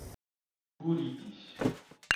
Buritis